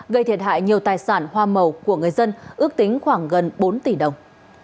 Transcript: gây thiệt hại nhiều tài sản hoa màu của người dân ước tính khoảng gần bốn tỷ đồng